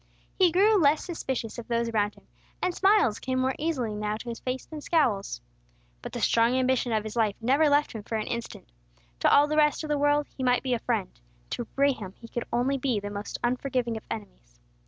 He grew less suspicious of those around him, and smiles came more easily now to his face than scowls. But the strong ambition of his life never left him for an instant. To all the rest of the world he might be a friend; to Rehum he could only be the most unforgiving of enemies.